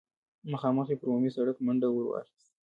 مخامخ يې پر عمومي سړک منډه ور واخيسته.